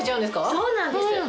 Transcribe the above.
そうなんです！